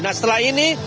nah setelah ini